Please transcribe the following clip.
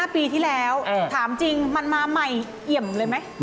ปีที่แล้วถามจริงมันมาใหม่เอี่ยมเลยไหม